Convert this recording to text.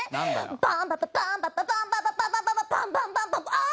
「バンバババンバババンババババババ」「バンバンバンバンバァーオ！」